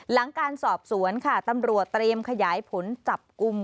หลังการสอบสวนค่ะตำรวจเตรียมขยายผลจับกลุ่ม